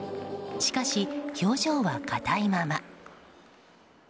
しかし、表情は硬いまま。